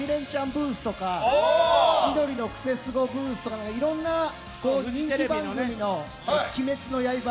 ブースとか千鳥の癖すごブースとかいろんな人気番組の「鬼滅の刃」